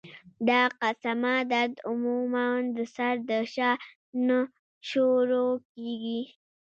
دا قسمه درد عموماً د سر د شا نه شورو کيږي